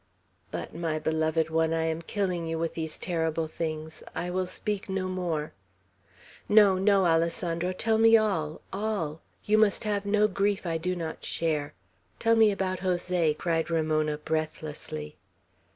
But, my beloved one, I am killing you with these terrible things! I will speak no more." "No, no, Alessandro. Tell me all, all. You must have no grief I do not share. Tell me about Jose," cried Ramona, breathlessly.